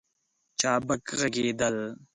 چابک ږغېدل